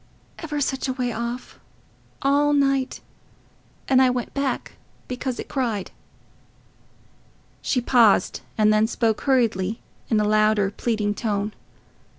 ever such a way off... all night... and I went back because it cried." She paused, and then spoke hurriedly in a louder, pleading tone.